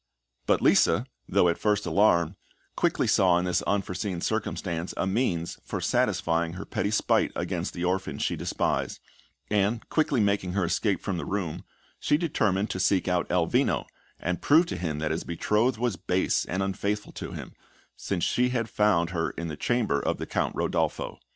But Lisa, though at first alarmed, quickly saw in this unforeseen circumstance, a means for satisfying her petty spite against the orphan she despised; and, quickly making her escape from the room, she determined to seek out Elvino, and prove to him that his betrothed was base and unfaithful to him, since she had found her in the chamber of the Count Rodolpho.